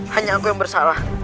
hanya aku yang bersalah